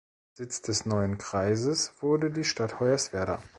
Sitz des neuen Kreises wurde die Stadt Hoyerswerda.